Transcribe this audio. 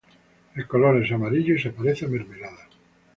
El color es amarillo y se parece a mermelada.